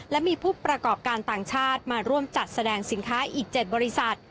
และมีผู้ประกอบการต่างชาติมาร่วมจัดแสดงสินค้าอีก๗บริษัท